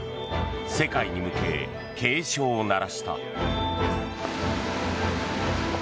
世界に向け警鐘を鳴らした。